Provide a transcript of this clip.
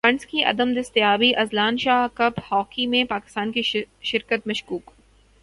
funds کی عدم دستیابی اذلان شاہ کپ ہاکی میں پاکستان کی شرکت مشکوک